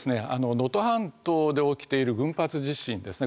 能登半島で起きている群発地震ですね。